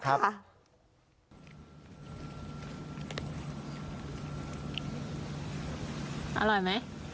อร่อยไหม